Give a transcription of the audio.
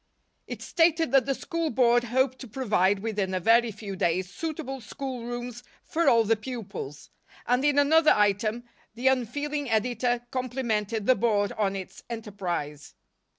It stated that the School Board hoped to provide, within a very few days, suitable schoolrooms for all the pupils. And, in another item, the unfeeling editor complimented the Board on its enterprise.